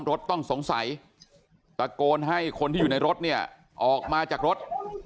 รถต้องสงสัยตะโกนให้คนที่อยู่ในรถเนี่ยออกมาจากรถ